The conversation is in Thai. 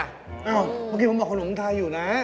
อ้าวเมื่อกี้เขาบอกขนมไทยอยู่นะ